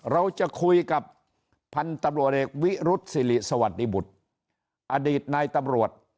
เราจะคุยกับพันธุ์ตำรวจเอกวิรุษศิริสวัสดิบุตรอดีตนายตำรวจ